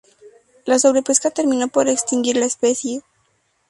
La sobrepesca terminó por extinguir la especie.